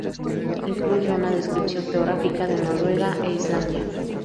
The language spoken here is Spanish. Incluye una descripción geográfica de Noruega e Islandia.